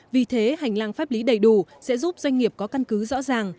vì thế hành lang pháp lý đầy đủ sẽ giúp doanh nghiệp có căn cứ rõ ràng